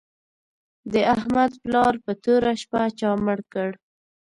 د احمد پلار په توره شپه چا مړ کړ